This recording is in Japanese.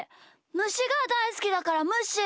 むしがだいすきだからむっしー！